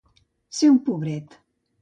Ser un pobret.